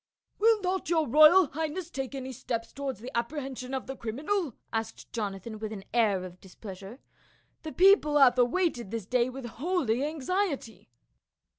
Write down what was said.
"Will not your royal highness take any steps to wards the apprehension of the criminal?" asked Jona than, with an air of displeasure, " the people have awaited this day with holy anxiety."